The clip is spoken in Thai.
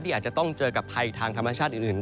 อาจจะต้องเจอกับภัยทางธรรมชาติอื่น